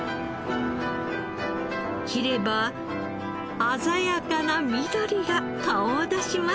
切れば鮮やかな緑が顔を出します。